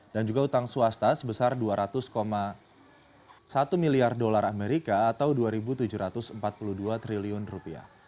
dan juga utang swasta sebesar dua ratus satu miliar dolar amerika atau dua tujuh ratus empat puluh dua triliun rupiah